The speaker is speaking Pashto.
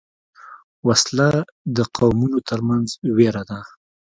وسله د قومونو تر منځ وېره ده